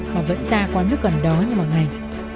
mà vẫn ra quán nước gần đó như mọi ngày